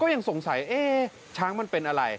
ยังสงสัยเอ๊ะช้างมันเป็นอะไร